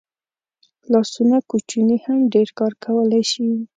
لاسونه کوچني هم ډېر کار کولی شي